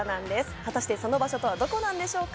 果たして、その場所とはどこなんでしょうか。